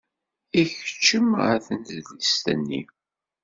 Ikeccem ɣer tnedlist-nni.